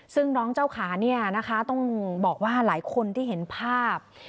ซึ่งน้องเจ้าขาต้องบอกว่าหลายคนที่เห็นภาพ